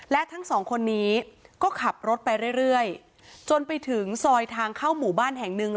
และทั้งสองคนนี้ก็ขับรถไปเรื่อยจนไปถึงซอยทางเข้าหมู่บ้านแห่งหนึ่ง